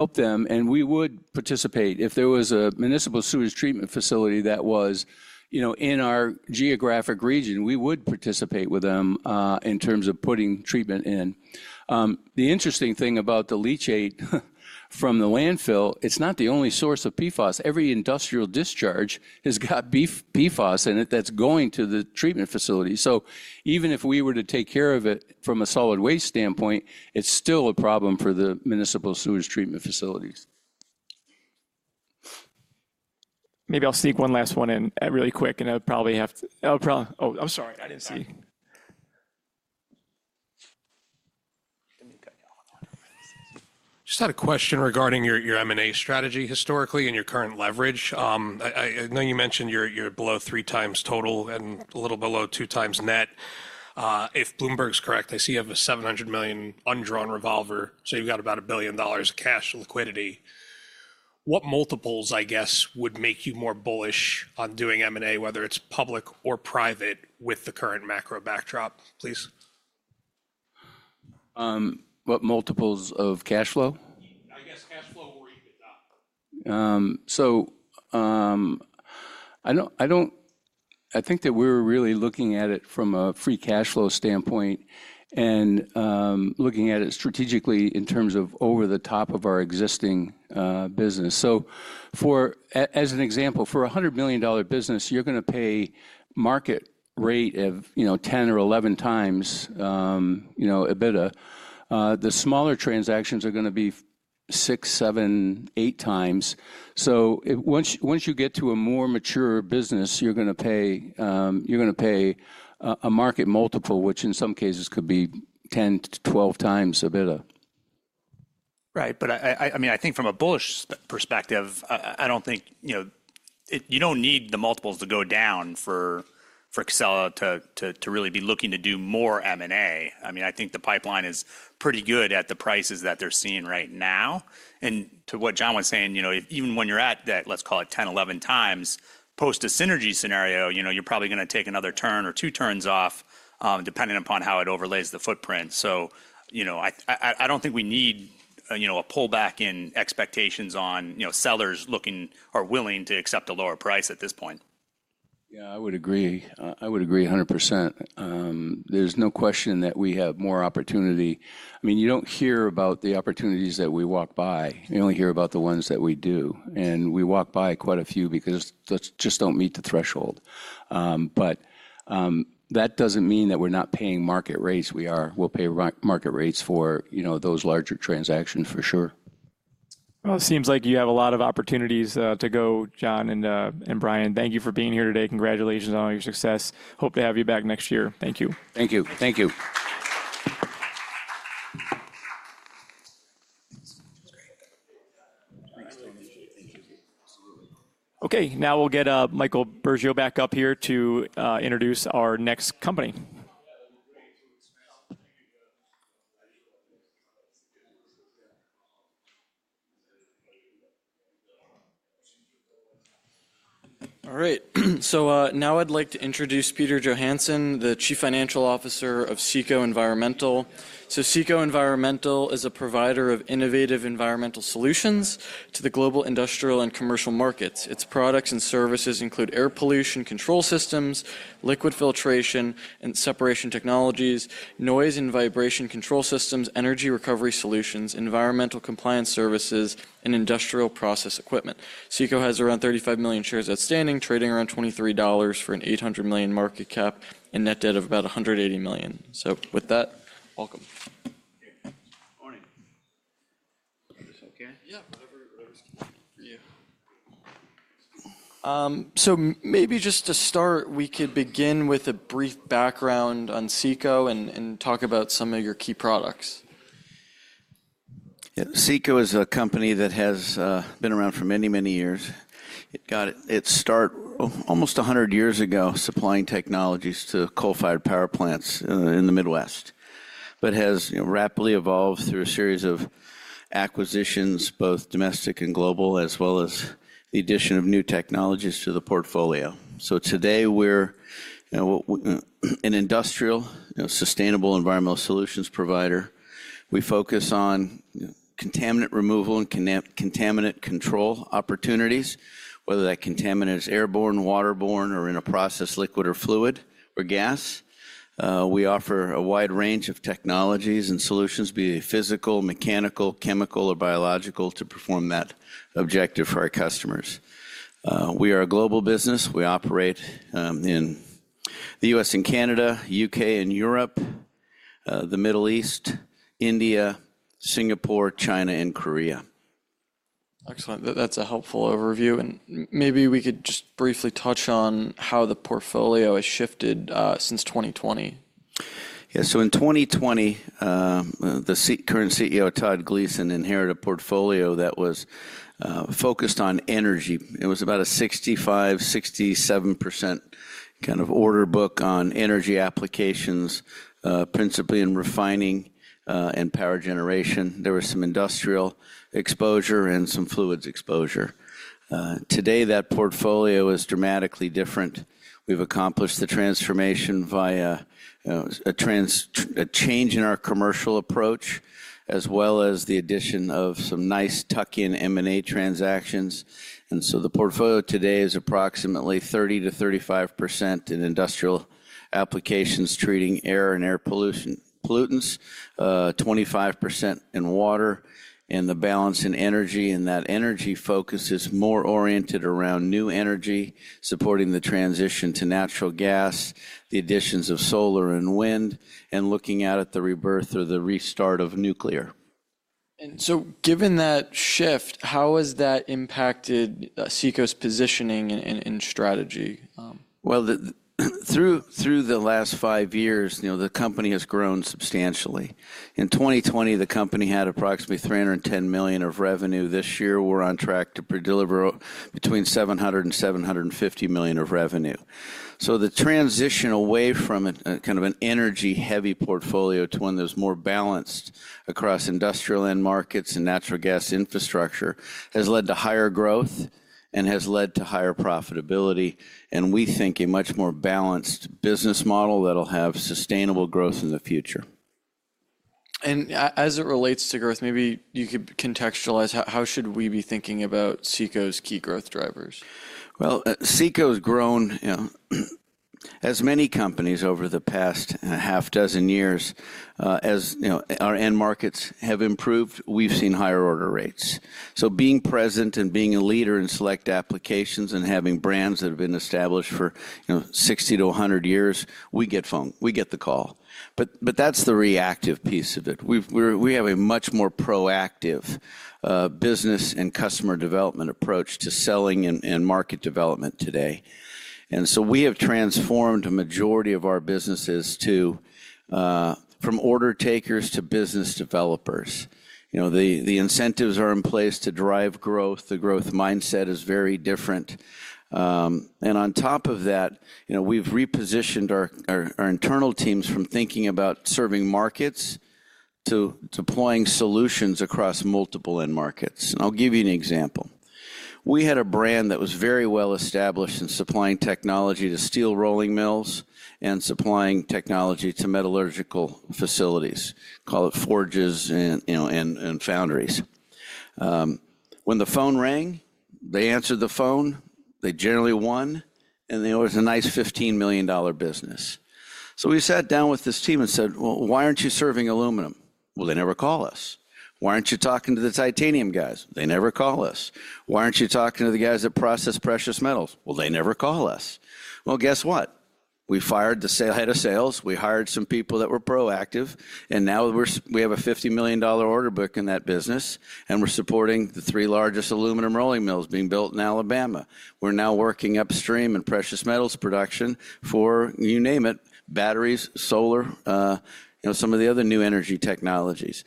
Help them, and we would participate if there was a municipal sewage treatment facility that was, you know, in our geographic region. We would participate with them in terms of putting treatment in. The interesting thing about the leachate from the landfill, it's not the only source of PFAS. Every industrial discharge has got PFAS in it that's going to the treatment facility. Even if we were to take care of it from a solid waste standpoint, it's still a problem for the municipal sewage treatment facilities. Maybe I'll sneak one last one in really quick, and I'll probably have to—oh, I'm sorry, I didn't see. Just had a question regarding your M&A strategy historically and your current leverage. I know you mentioned you're below three times total and a little below two times net. If Bloomberg's correct, I see you have a $700 million undrawn revolver, so you've got about a billion dollars of cash liquidity. What multiples, I guess, would make you more bullish on doing M&A, whether it's public or private with the current macro backdrop, please? What multiples of cash flow? I guess cash flow will repay the debt. I don't—I think that we're really looking at it from a free cash flow standpoint and looking at it strategically in terms of over the top of our existing business. As an example, for a $100 million business, you're going to pay market rate of, you know, 10 or 11 times, you know, EBITDA. The smaller transactions are going to be six, seven, eight times. Once you get to a more mature business, you're going to pay—you're going to pay a market multiple, which in some cases could be 10-12 times EBITDA. Right. I mean, I think from a bullish perspective, I don't think, you know, you don't need the multiples to go down for Casella to really be looking to do more M&A. I mean, I think the pipeline is pretty good at the prices that they're seeing right now. To what John was saying, you know, even when you're at that, let's call it 10-11 times, post a synergy scenario, you know, you're probably going to take another turn or two turns off, depending upon how it overlays the footprint. You know, I don't think we need, you know, a pullback in expectations on, you know, sellers looking or willing to accept a lower price at this point. Yeah, I would agree. I would agree 100%. There's no question that we have more opportunity. I mean, you don't hear about the opportunities that we walk by. You only hear about the ones that we do. And we walk by quite a few because those just don't meet the threshold. That doesn't mean that we're not paying market rates. We are. We'll pay market rates for, you know, those larger transactions for sure. It seems like you have a lot of opportunities to go, John and Brian. Thank you for being here today. Congratulations on all your success. Hope to have you back next year. Thank you. Thank you. Thank you. Okay. Now we'll get Michael Burgio back up here to introduce our next company. All right. Now I'd like to introduce Peter Johansson, the Chief Financial Officer of CECO Environmental. CECO Environmental is a provider of innovative environmental solutions to the global industrial and commercial markets. Its products and services include air pollution control systems, liquid filtration and separation technologies, noise and vibration control systems, energy recovery solutions, environmental compliance services, and industrial process equipment. CECO has around 35 million shares outstanding, trading around $23 for an $800 million market cap and net debt of about $180 million. With that, welcome. Good morning. Maybe just to start, we could begin with a brief background on CECO and talk about some of your key products. CECO is a company that has been around for many, many years. It got its start almost 100 years ago supplying technologies to coal-fired power plants in the Midwest, but has rapidly evolved through a series of acquisitions, both domestic and global, as well as the addition of new technologies to the portfolio. Today we're an industrial, sustainable environmental solutions provider. We focus on contaminant removal and contaminant control opportunities, whether that contaminant is airborne, waterborne, or in a process, liquid or fluid or gas. We offer a wide range of technologies and solutions, be it physical, mechanical, chemical, or biological, to perform that objective for our customers. We are a global business. We operate in the U.S. and Canada, U.K. and Europe, the Middle East, India, Singapore, China, and Korea. Excellent. That's a helpful overview. Maybe we could just briefly touch on how the portfolio has shifted since 2020. Yeah. In 2020, the current CEO, Todd Gleason, inherited a portfolio that was focused on energy. It was about a 65-67% kind of order book on energy applications, principally in refining and power generation. There was some industrial exposure and some fluids exposure. Today, that portfolio is dramatically different. We've accomplished the transformation via a change in our commercial approach, as well as the addition of some nice tuck-in M&A transactions. The portfolio today is approximately 30-35% in industrial applications treating air and air pollutants, 25% in water, and the balance in energy. That energy focus is more oriented around new energy, supporting the transition to natural gas, the additions of solar and wind, and looking out at the rebirth or the restart of nuclear. Given that shift, how has that impacted CECO's positioning and strategy? Through the last five years, you know, the company has grown substantially. In 2020, the company had approximately $310 million of revenue. This year, we're on track to deliver between $700 million and $750 million of revenue. The transition away from kind of an energy-heavy portfolio to one that's more balanced across industrial and markets and natural gas infrastructure has led to higher growth and has led to higher profitability. We think a much more balanced business model that'll have sustainable growth in the future. As it relates to growth, maybe you could contextualize how should we be thinking about CECO's key growth drivers? CECO has grown, you know, as many companies over the past half dozen years, as, you know, our end markets have improved, we've seen higher order rates. Being present and being a leader in select applications and having brands that have been established for, you know, 60 to 100 years, we get the call. That is the reactive piece of it. We have a much more proactive business and customer development approach to selling and market development today. We have transformed a majority of our businesses from order takers to business developers. You know, the incentives are in place to drive growth. The growth mindset is very different. On top of that, you know, we've repositioned our internal teams from thinking about serving markets to deploying solutions across multiple end markets. I'll give you an example. We had a brand that was very well established in supplying technology to steel rolling mills and supplying technology to metallurgical facilities, call it forges and foundries. When the phone rang, they answered the phone. They generally won, and there was a nice $15 million business. We sat down with this team and said, "Well, why aren't you serving aluminum?" "Well, they never call us." "Why aren't you talking to the titanium guys?" "They never call us." "Why aren't you talking to the guys that process precious metals?" "Well, they never call us." Guess what? We fired the head of sales. We hired some people that were proactive. Now we have a $50 million order book in that business. We are supporting the three largest aluminum rolling mills being built in Alabama. We're now working upstream in precious metals production for, you name it, batteries, solar, you know, some of the other new energy technologies.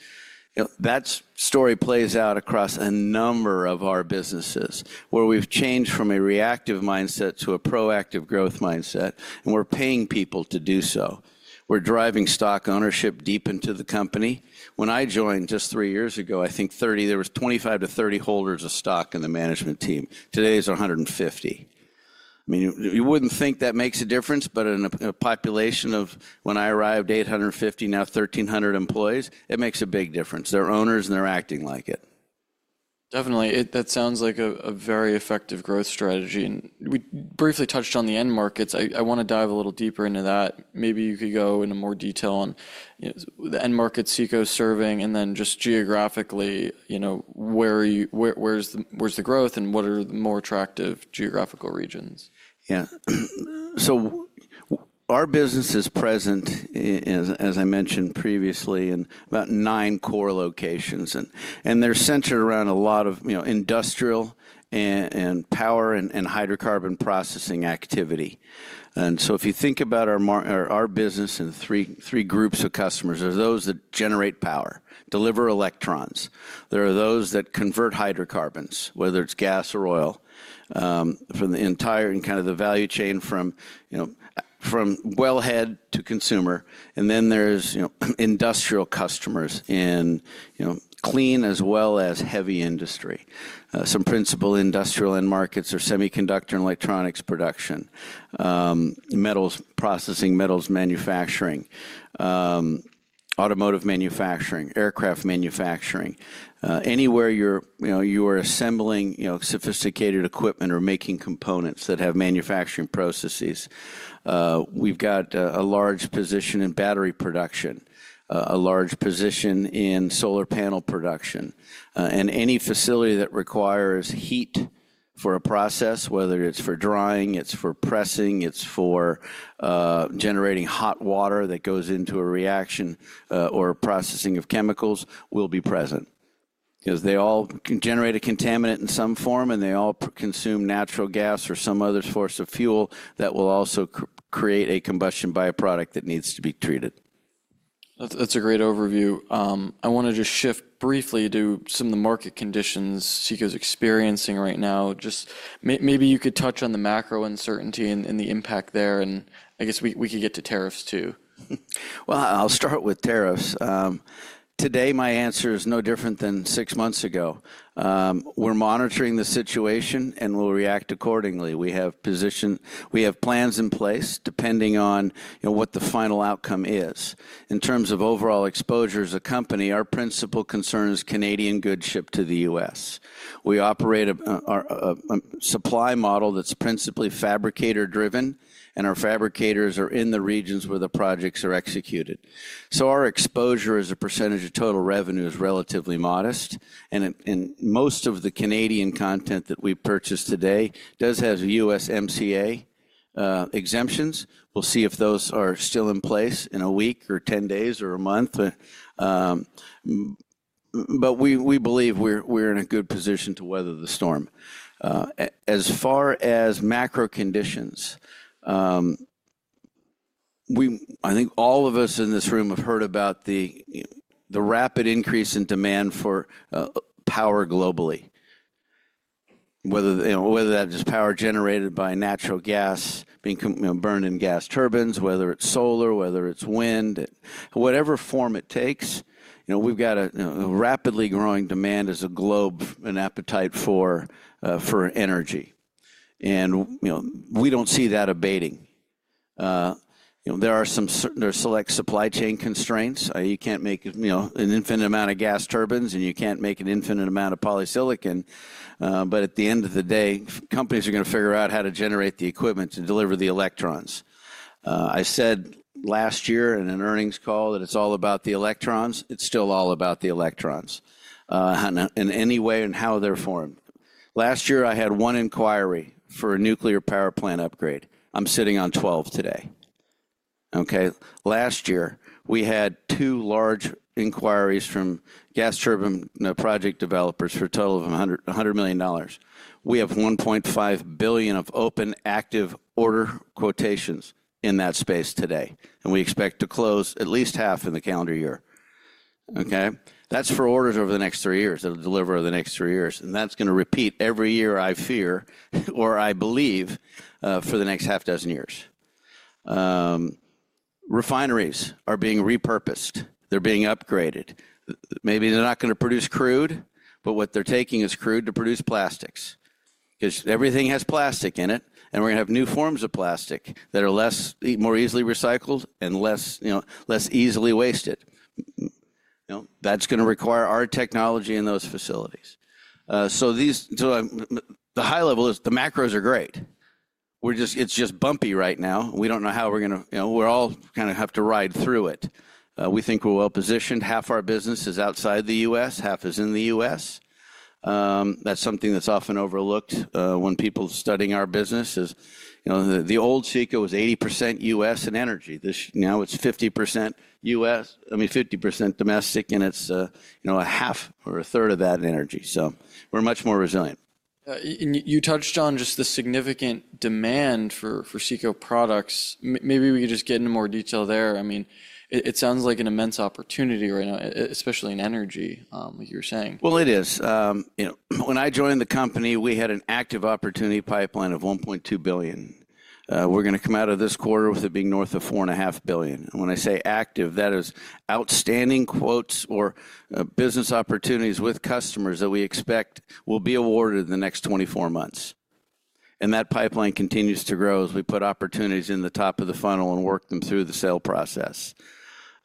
That story plays out across a number of our businesses where we've changed from a reactive mindset to a proactive growth mindset. And we're paying people to do so. We're driving stock ownership deep into the company. When I joined just three years ago, I think there was 25 to 30 holders of stock in the management team. Today it's 150. I mean, you wouldn't think that makes a difference, but in a population of, when I arrived, 850, now 1,300 employees, it makes a big difference. They're owners and they're acting like it. Definitely. That sounds like a very effective growth strategy. We briefly touched on the end markets. I want to dive a little deeper into that. Maybe you could go into more detail on the end markets CECO's serving and then just geographically, you know, where's the growth and what are the more attractive geographical regions? Yeah. Our business is present, as I mentioned previously, in about nine core locations. They're centered around a lot of, you know, industrial and power and hydrocarbon processing activity. If you think about our business and three groups of customers, there are those that generate power, deliver electrons. There are those that convert hydrocarbons, whether it's gas or oil, from the entire kind of the value chain from, you know, from wellhead to consumer. Then there's, you know, industrial customers in, you know, clean as well as heavy industry. Some principal industrial end markets are semiconductor and electronics production, metals processing, metals manufacturing, automotive manufacturing, aircraft manufacturing. Anywhere you are assembling, you know, sophisticated equipment or making components that have manufacturing processes. We've got a large position in battery production, a large position in solar panel production. Any facility that requires heat for a process, whether it's for drying, it's for pressing, it's for generating hot water that goes into a reaction or processing of chemicals will be present. Because they all can generate a contaminant in some form, and they all consume natural gas or some other source of fuel that will also create a combustion byproduct that needs to be treated. That's a great overview. I want to just shift briefly to some of the market conditions CECO's experiencing right now. Just maybe you could touch on the macro uncertainty and the impact there. I guess we could get to tariffs too. I'll start with tariffs. Today, my answer is no different than six months ago. We're monitoring the situation and we'll react accordingly. We have position, we have plans in place depending on, you know, what the final outcome is. In terms of overall exposures of company, our principal concern is Canadian goods shipped to the U.S. We operate a supply model that's principally fabricator-driven, and our fabricators are in the regions where the projects are executed. Our exposure as a percentage of total revenue is relatively modest. Most of the Canadian content that we purchase today does have USMCA exemptions. We'll see if those are still in place in a week or 10 days or a month. We believe we're in a good position to weather the storm. As far as macro conditions, I think all of us in this room have heard about the rapid increase in demand for power globally, whether that is power generated by natural gas being burned in gas turbines, whether it's solar, whether it's wind, whatever form it takes. You know, we've got a rapidly growing demand as a globe and appetite for energy. You know, we don't see that abating. You know, there are some select supply chain constraints. You can't make an infinite amount of gas turbines, and you can't make an infinite amount of polysilicon. At the end of the day, companies are going to figure out how to generate the equipment to deliver the electrons. I said last year in an earnings call that it's all about the electrons. It's still all about the electrons in any way and how they're formed. Last year, I had one inquiry for a nuclear power plant upgrade. I'm sitting on 12 today. Okay. Last year, we had two large inquiries from gas turbine project developers for a total of $100 million. We have $1.5 billion of open active order quotations in that space today. We expect to close at least half in the calendar year. Okay. That is for orders over the next three years that will deliver over the next three years. That is going to repeat every year, I fear, or I believe, for the next half dozen years. Refineries are being repurposed. They are being upgraded. Maybe they are not going to produce crude, but what they are taking is crude to produce plastics. Because everything has plastic in it, and we are going to have new forms of plastic that are more easily recycled and less, you know, less easily wasted. You know, that's going to require our technology in those facilities. The high level is the macros are great. We're just, it's just bumpy right now. We don't know how we're going to, you know, we're all kind of have to ride through it. We think we're well positioned. Half our business is outside the U.S., half is in the U.S. That's something that's often overlooked when people are studying our business is, you know, the old CECO was 80% U.S. and energy. Now it's 50% U.S., I mean, 50% domestic, and it's, you know, a half or a third of that in energy. So we're much more resilient. You touched on just the significant demand for CECO products. Maybe we could just get into more detail there. I mean, it sounds like an immense opportunity right now, especially in energy, like you were saying. It is. You know, when I joined the company, we had an active opportunity pipeline of $1.2 billion. We're going to come out of this quarter with it being north of $4.5 billion. When I say active, that is outstanding quotes or business opportunities with customers that we expect will be awarded in the next 24 months. That pipeline continues to grow as we put opportunities in the top of the funnel and work them through the sale process.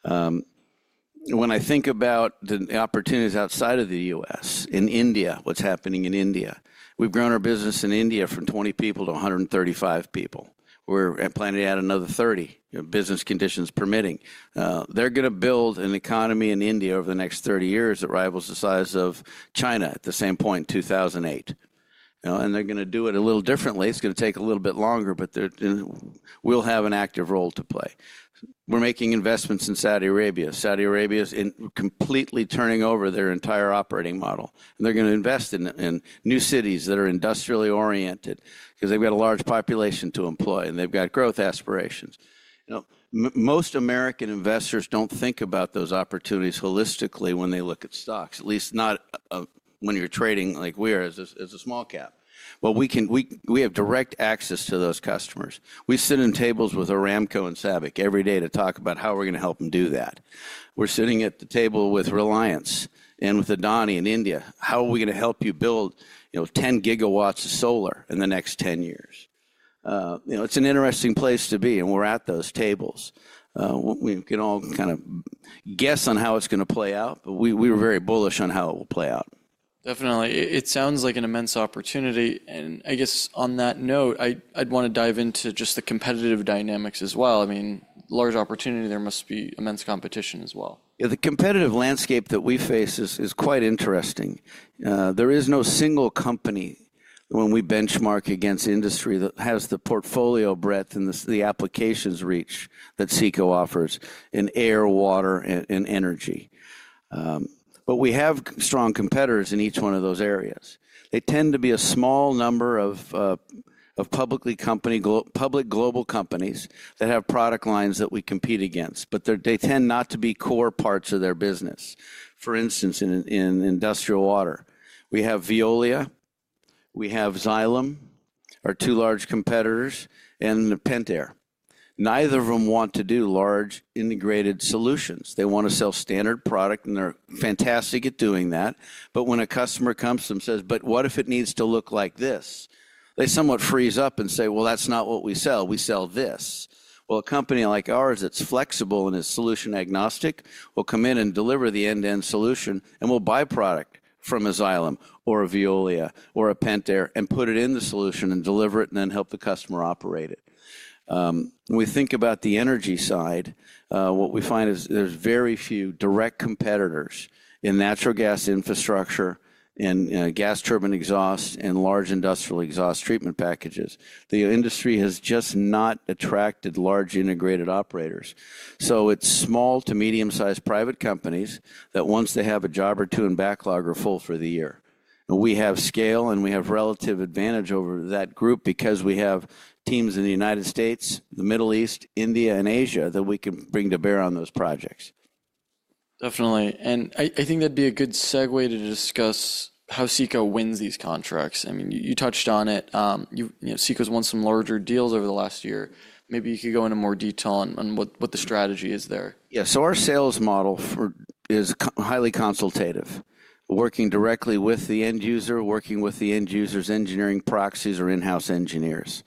When I think about the opportunities outside of the U.S., in India, what's happening in India, we've grown our business in India from 20 people to 135 people. We're planning to add another 30, business conditions permitting. They're going to build an economy in India over the next 30 years that rivals the size of China at the same point, 2008. They're going to do it a little differently. It's going to take a little bit longer, but we'll have an active role to play. We're making investments in Saudi Arabia. Saudi Arabia is completely turning over their entire operating model. They're going to invest in new cities that are industrially oriented because they've got a large population to employ and they've got growth aspirations. You know, most American investors don't think about those opportunities holistically when they look at stocks, at least not when you're trading like we are as a small cap. We have direct access to those customers. We sit at tables with Aramco and SABIC every day to talk about how we're going to help them do that. We're sitting at the table with Reliance and with Adani in India. How are we going to help you build, you know, 10 gigawatts of solar in the next 10 years? You know, it's an interesting place to be, and we're at those tables. We can all kind of guess on how it's going to play out, but we were very bullish on how it will play out. Definitely. It sounds like an immense opportunity. I guess on that note, I'd want to dive into just the competitive dynamics as well. I mean, large opportunity there must be immense competition as well. Yeah, the competitive landscape that we face is quite interesting. There is no single company when we benchmark against industry that has the portfolio breadth and the applications reach that CECO offers in air, water, and energy. We have strong competitors in each one of those areas. They tend to be a small number of public global companies that have product lines that we compete against, but they tend not to be core parts of their business. For instance, in industrial water, we have Veolia, we have Xylem, our two large competitors, and Pentair. Neither of them want to do large integrated solutions. They want to sell standard product, and they're fantastic at doing that. When a customer comes to them and says, "But what if it needs to look like this?" they somewhat freeze up and say, "Well, that's not what we sell. We sell this. A company like ours that's flexible and is solution agnostic will come in and deliver the end-to-end solution, and we'll buy product from a Xylem or a Veolia or a Pentair and put it in the solution and deliver it and then help the customer operate it. When we think about the energy side, what we find is there's very few direct competitors in natural gas infrastructure and gas turbine exhaust and large industrial exhaust treatment packages. The industry has just not attracted large integrated operators. It is small to medium-sized private companies that once they have a job or two in backlog are full for the year. We have scale and we have relative advantage over that group because we have teams in the United States, the Middle East, India, and Asia that we can bring to bear on those projects. Definitely. I think that'd be a good segue to discuss how CECO wins these contracts. I mean, you touched on it. CECO's won some larger deals over the last year. Maybe you could go into more detail on what the strategy is there. Yeah. Our sales model is highly consultative, working directly with the end user, working with the end user's engineering proxies or in-house engineers.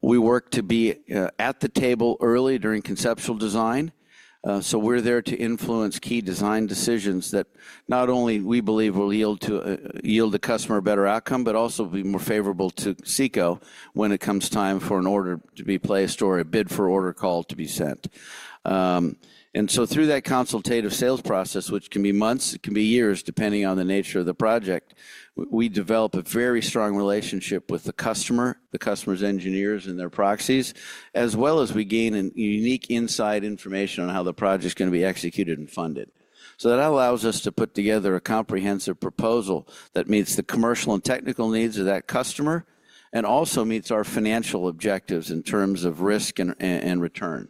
We work to be at the table early during conceptual design. We are there to influence key design decisions that not only we believe will yield the customer a better outcome, but also be more favorable to CECO when it comes time for an order to be placed or a bid for order call to be sent. Through that consultative sales process, which can be months, it can be years depending on the nature of the project, we develop a very strong relationship with the customer, the customer's engineers and their proxies, as well as we gain unique inside information on how the project's going to be executed and funded. That allows us to put together a comprehensive proposal that meets the commercial and technical needs of that customer and also meets our financial objectives in terms of risk and return.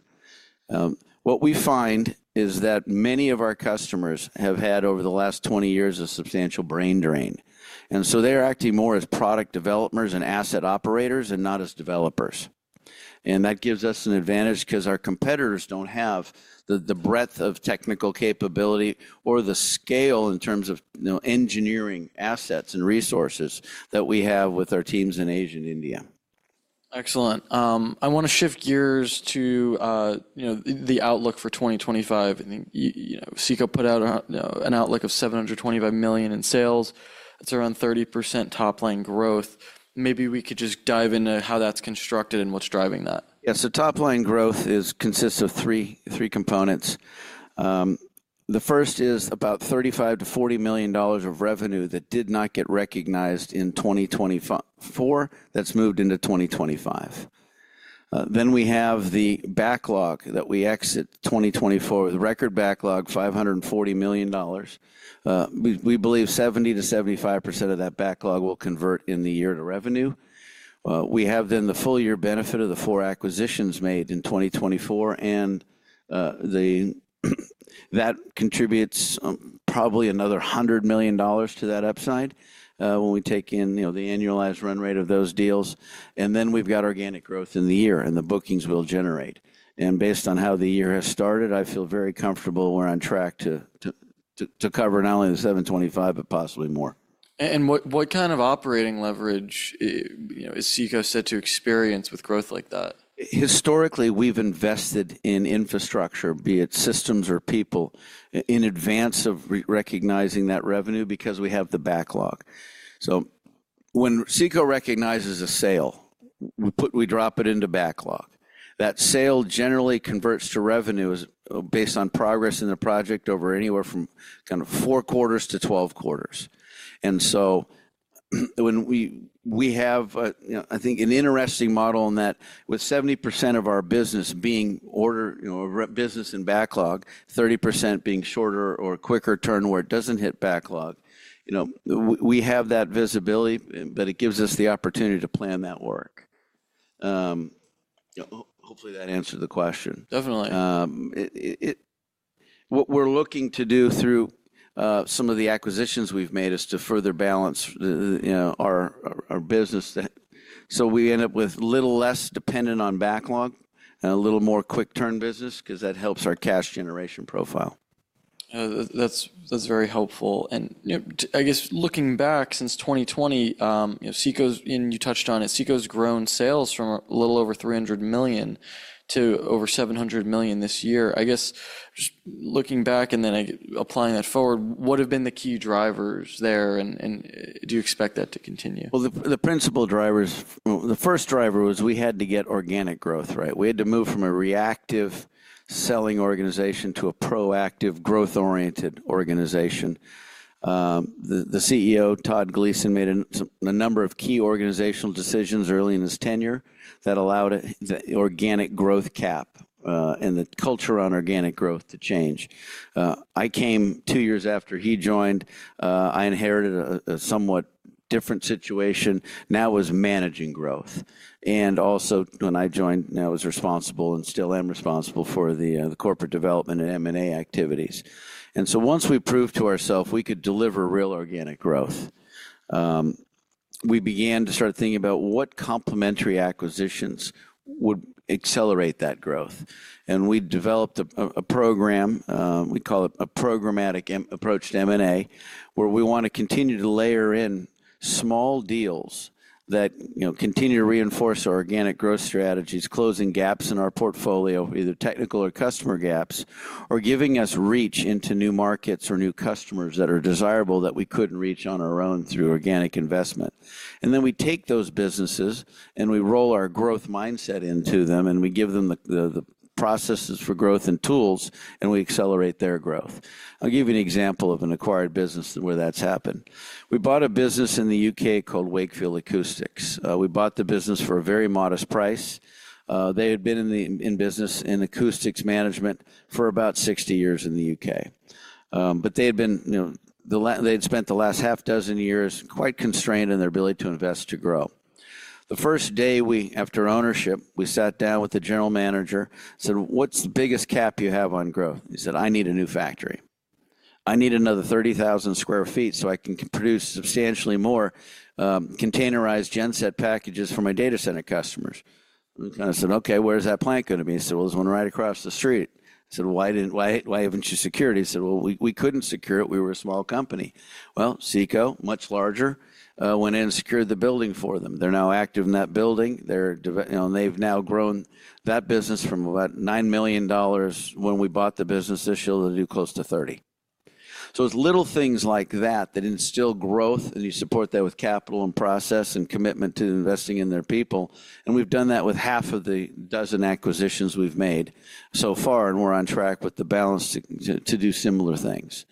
What we find is that many of our customers have had over the last 20 years a substantial brain drain. They are acting more as product developers and asset operators and not as developers. That gives us an advantage because our competitors do not have the breadth of technical capability or the scale in terms of engineering assets and resources that we have with our teams in Asia and India. Excellent. I want to shift gears to, you know, the outlook for 2025. I think CECO put out an outlook of $725 million in sales. It's around 30% top-line growth. Maybe we could just dive into how that's constructed and what's driving that. Yeah. Top-line growth consists of three components. The first is about $35 million-$40 million of revenue that did not get recognized in 2024 that's moved into 2025. We have the backlog that we exit 2024 with, a record backlog of $540 million. We believe 70%-75% of that backlog will convert in the year to revenue. We have the full year benefit of the four acquisitions made in 2024, and that contributes probably another $100 million to that upside when we take in, you know, the annualized run rate of those deals. We have organic growth in the year and the bookings we'll generate. Based on how the year has started, I feel very comfortable we're on track to cover not only the $725 million, but possibly more. What kind of operating leverage is CECO set to experience with growth like that? Historically, we've invested in infrastructure, be it systems or people, in advance of recognizing that revenue because we have the backlog. When CECO recognizes a sale, we drop it into backlog. That sale generally converts to revenue based on progress in the project over anywhere from four quarters to 12 quarters. I think we have an interesting model in that with 70% of our business being order, you know, business in backlog, 30% being shorter or quicker turn where it doesn't hit backlog, you know, we have that visibility, but it gives us the opportunity to plan that work. Hopefully that answered the question. Definitely. What we're looking to do through some of the acquisitions we've made is to further balance our business. We end up with a little less dependent on backlog and a little more quick turn business because that helps our cash generation profile. That's very helpful. I guess looking back since 2020, you know, CECO's, and you touched on it, CECO's grown sales from a little over $300 million to over $700 million this year. I guess just looking back and then applying that forward, what have been the key drivers there? Do you expect that to continue? The principal drivers, the first driver was we had to get organic growth, right? We had to move from a reactive selling organization to a proactive growth-oriented organization. The CEO, Todd Gleason, made a number of key organizational decisions early in his tenure that allowed organic growth cap and the culture on organic growth to change. I came two years after he joined. I inherited a somewhat different situation. Now I was managing growth. Also, when I joined, I was responsible and still am responsible for the corporate development and M&A activities. Once we proved to ourself we could deliver real organic growth, we began to start thinking about what complementary acquisitions would accelerate that growth. We developed a program, we call it a programmatic approach to M&A, where we want to continue to layer in small deals that, you know, continue to reinforce our organic growth strategies, closing gaps in our portfolio, either technical or customer gaps, or giving us reach into new markets or new customers that are desirable that we could not reach on our own through organic investment. We take those businesses and we roll our growth mindset into them and we give them the processes for growth and tools and we accelerate their growth. I'll give you an example of an acquired business where that's happened. We bought a business in the U.K. called Wakefield Acoustics. We bought the business for a very modest price. They had been in business in acoustics management for about 60 years in the U.K. They had been, you know, they had spent the last half dozen years quite constrained in their ability to invest to grow. The first day after ownership, we sat down with the general manager, said, "What's the biggest cap you have on growth?" He said, "I need a new factory. I need another 30,000 sq ft so I can produce substantially more containerized genset packages for my data center customers." I said, "Okay, where's that plant going to be?" He said, "There's one right across the street." I said, "Why haven't you secured it?" He said, "We couldn't secure it. We were a small company." CECO, much larger, went in and secured the building for them. They're now active in that building. They're, you know, and they've now grown that business from about $9 million when we bought the business this year to close to $30 million. It is little things like that that instill growth and you support that with capital and process and commitment to investing in their people. We have done that with half of the dozen acquisitions we have made so far, and we are on track with the balance to do similar things.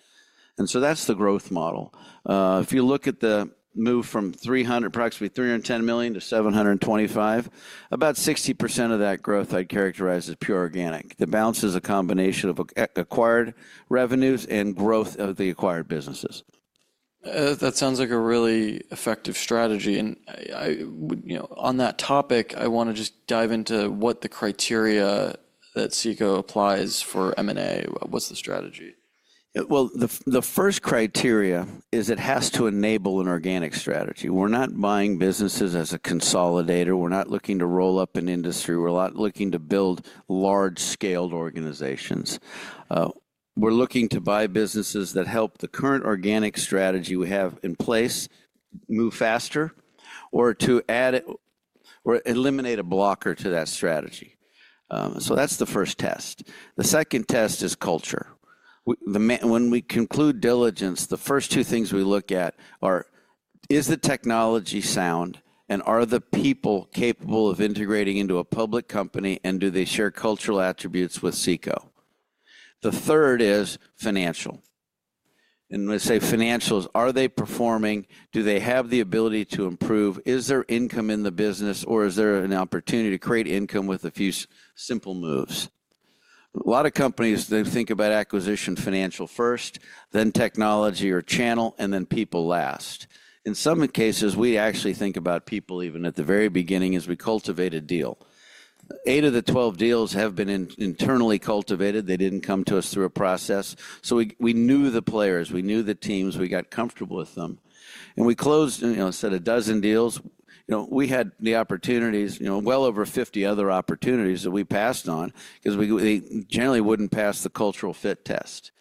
That is the growth model. If you look at the move from approximately $310 million to $725 million, about 60% of that growth I would characterize as pure organic. The balance is a combination of acquired revenues and growth of the acquired businesses. That sounds like a really effective strategy. On that topic, I want to just dive into what the criteria that CECO applies for M&A. What's the strategy? The first criteria is it has to enable an organic strategy. We're not buying businesses as a consolidator. We're not looking to roll up an industry. We're not looking to build large-scaled organizations. We're looking to buy businesses that help the current organic strategy we have in place move faster or to add or eliminate a blocker to that strategy. That is the first test. The second test is culture. When we conclude diligence, the first two things we look at are, is the technology sound and are the people capable of integrating into a public company and do they share cultural attributes with CECO? The third is financial. When I say financials, are they performing? Do they have the ability to improve? Is there income in the business or is there an opportunity to create income with a few simple moves? A lot of companies, they think about acquisition financial first, then technology or channel, and then people last. In some cases, we actually think about people even at the very beginning as we cultivate a deal. Eight of the 12 deals have been internally cultivated. They did not come to us through a process. You know, we knew the players, we knew the teams, we got comfortable with them. You know, we closed, you know, instead of a dozen deals, you know, we had the opportunities, you know, well over 50 other opportunities that we passed on because we generally would not pass the cultural fit test.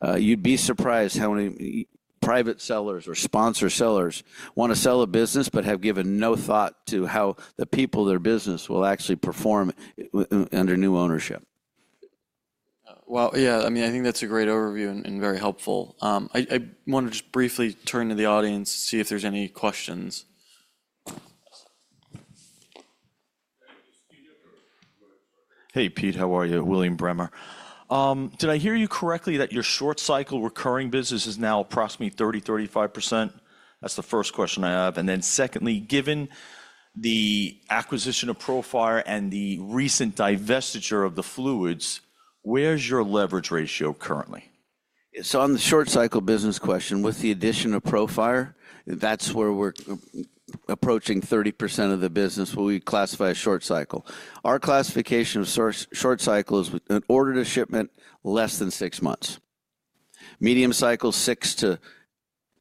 You would be surprised how many private sellers or sponsor sellers want to sell a business but have given no thought to how the people of their business will actually perform under new ownership. Yeah, I mean, I think that's a great overview and very helpful. I want to just briefly turn to the audience to see if there's any questions. Hey, Pete, how are you? William Bremer. Did I hear you correctly that your short-cycle recurring business is now approximately 30-35%? That's the first question I have. Secondly, given the acquisition of Profire and the recent divestiture of the fluids, where's your leverage ratio currently? On the short-cycle business question, with the addition of Profire, that's where we're approaching 30% of the business where we classify as short-cycle. Our classification of short-cycle is an order to shipment less than six months. Medium-cycle, six to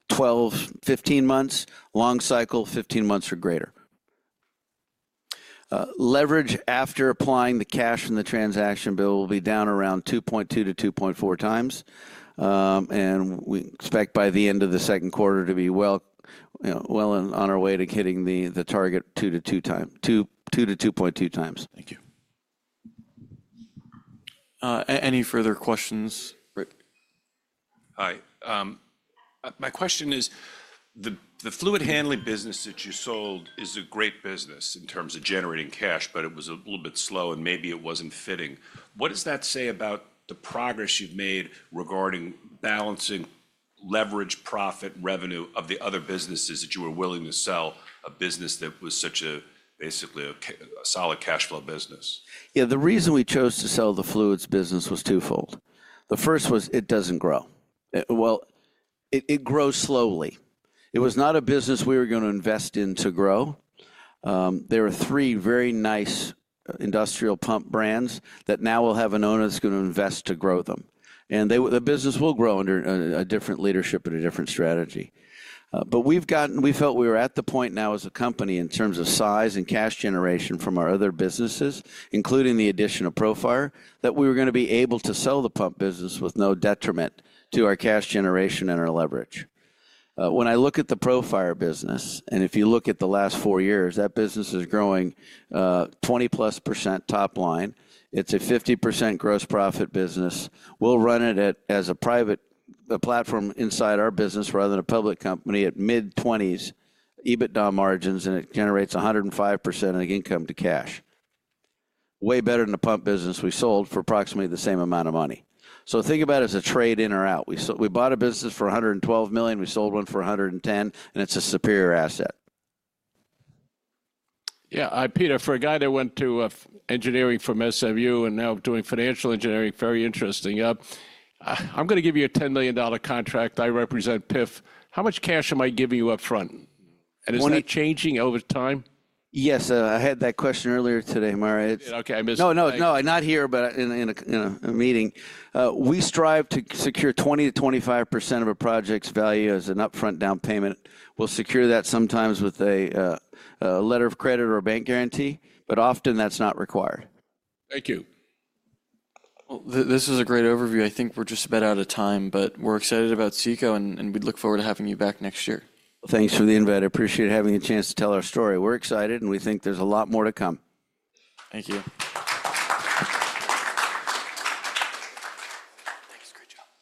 12, 15 months. Long-cycle, 15 months or greater. Leverage after applying the cash and the transaction bill will be down around 2.2-2.4 times. We expect by the end of the second quarter to be well on our way to hitting the target 2-2 times. Thank you. Any further questions? Hi. My question is, the fluid handling business that you sold is a great business in terms of generating cash, but it was a little bit slow and maybe it was not fitting. What does that say about the progress you have made regarding balancing leverage, profit, revenue of the other businesses that you were willing to sell a business that was such a basically a solid cash flow business? Yeah, the reason we chose to sell the fluids business was twofold. The first was it doesn't grow. Well, it grows slowly. It was not a business we were going to invest in to grow. There are three very nice industrial pump brands that now will have an owner that's going to invest to grow them. The business will grow under a different leadership and a different strategy. We've gotten, we felt we were at the point now as a company in terms of size and cash generation from our other businesses, including the addition of Profire, that we were going to be able to sell the pump business with no detriment to our cash generation and our leverage. When I look at the Profire business, and if you look at the last four years, that business is growing 20+% top line. It's a 50% gross profit business. We'll run it as a private platform inside our business rather than a public company at mid-20s EBITDA margins, and it generates 105% of the income to cash. Way better than the pump business we sold for approximately the same amount of money. Think about it as a trade in or out. We bought a business for $112 million. We sold one for $110 million, and it's a superior asset. Yeah. Peter, for a guy that went to engineering from SMU and now doing financial engineering, very interesting. I'm going to give you a $10 million contract. I represent PIFF. How much cash am I giving you upfront? Is that changing over time? Yes. I had that question earlier today, Mario. Okay. I missed it. No, no, no. Not here, but in a meeting. We strive to secure 20%-25% of a project's value as an upfront down payment. We'll secure that sometimes with a letter of credit or a bank guarantee, but often that's not required. Thank you. This is a great overview. I think we're just about out of time, but we're excited about CECO and we look forward to having you back next year. Thanks for the invite. I appreciate having a chance to tell our story. We're excited and we think there's a lot more to come. Thank you.